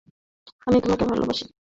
আমি তোমাকে ভালবাসি!